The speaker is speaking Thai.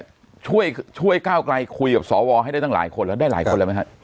ช่วยก้าวไกลคุยกับสวให้ได้ตั้งหลายคนแล้วได้หลายคนแล้วไหมฮะ